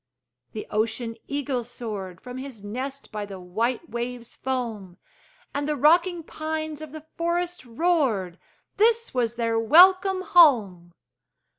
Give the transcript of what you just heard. The ocean eagle soared From his nest by the white wave's foam; And the rocking pines of the forest roared This was their welcome home!